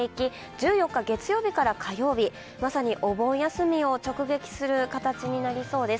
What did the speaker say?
１４日、月曜日から火曜日、まさにお盆休みを直撃する形になりそうです。